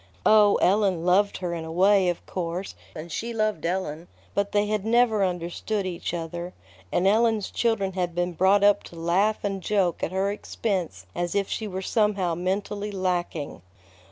Oh, Ellen loved her in a way, of course, and she loved Ellen; but they had never understood each other, and Ellen's children had been brought up to laugh and joke at her expense as if she were somehow mentally lacking.